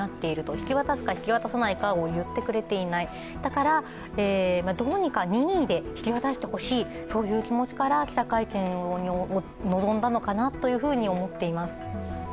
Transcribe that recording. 引き渡すか、引き渡さないかを言ってくれていない、だから、どうにか任意で引き渡してほしい、そういう思いで会見に臨んだのかなというふうに思っています。